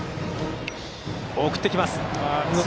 送ってきます。